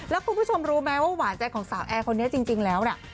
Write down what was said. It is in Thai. แล้วคุณผู้ชมรู้ไหมว่าหวานใจของสาวแอร์คนนี้จริงแล้วเนี่ย